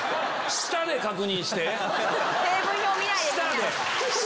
舌で確認して。